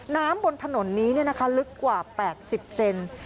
น้ำบนถนนนี้นะคะลึกกว่า๘๐เซนตรี